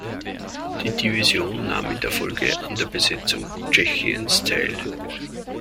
Die Division nahm in der Folge an der Besetzung Tschechiens teil.